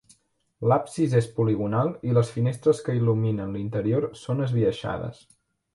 L'absis és poligonal i les finestres que il·luminen l'interior són esbiaixades.